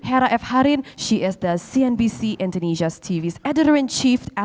ada kejutan yang bagus untuk anda